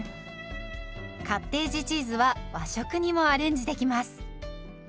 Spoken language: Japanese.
カッテージチーズは和食にもアレンジできます。